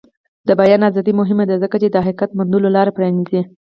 د بیان ازادي مهمه ده ځکه چې د حقیقت موندلو لاره پرانیزي.